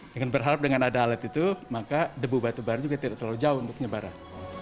dengan berharap dengan ada alat itu maka debu batubara juga tidak terlalu jauh untuk nyebarah